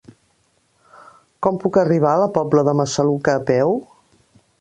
Com puc arribar a la Pobla de Massaluca a peu?